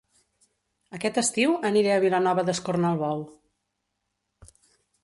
Aquest estiu aniré a Vilanova d'Escornalbou